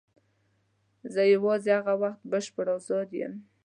زه یوازې هغه وخت بشپړ آزاد یم.